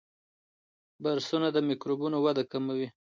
برسونه د میکروبونو وده کموي.